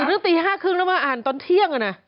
คุณนึกตี๕๓๐แล้วมาอ่านตอนเที่ยงอ่ะนะ